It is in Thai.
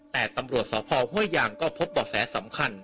แต่ตำรวจสพห้วยยางก็พบบ่อแสสำคัญ